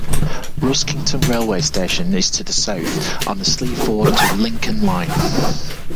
Ruskington railway station is to the south, on the Sleaford to Lincoln line.